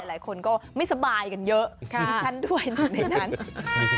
หลายคนก็ไม่สบายกันเยอะดิฉันด้วยหนึ่งในนั้น